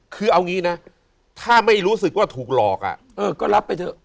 คือเอางี้นะถ้าไม่รู้สึกว่าถูกหลอกอ่ะเออก็รับไปเถอะ